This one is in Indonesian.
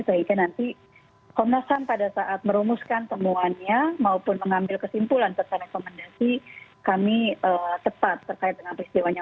sehingga nanti komnas ham pada saat merumuskan temuannya maupun mengambil kesimpulan tentang rekomendasi kami tepat terkait dengan peristiwanya